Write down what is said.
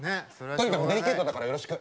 とにかくデリケートだからよろしく。